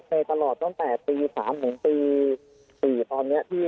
ไปตลอดตั้งแต่ปี๓๔ตอนนี้